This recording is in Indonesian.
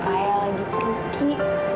ayah lagi pergi